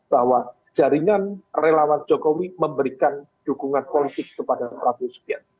bahwa jaringan relawan jokowi memberikan dukungan politik kepada prabowo subianto